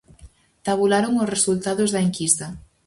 Tabularon os resultados da enquisa.